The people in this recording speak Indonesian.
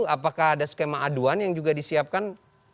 apakah ada skema aduan yang juga disiapkan